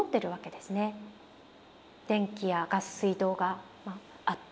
電気やガス水道があって。